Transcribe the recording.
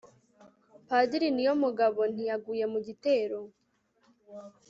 padiri niyomugabo ntiyaguye mu gitero